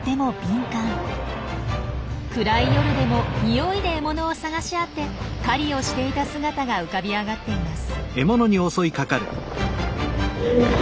暗い夜でも匂いで獲物を探し当て狩りをしていた姿が浮かび上がっています。